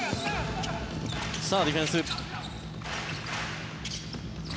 さあ、ディフェンス。